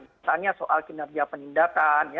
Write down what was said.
misalnya soal kinerja penindakan